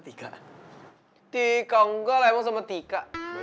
tiga tiga engkau enggak mau sama tika